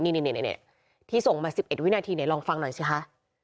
นี่ที่ส่งมา๑๑วินาทีไหนลองฟังหน่อยสิคะ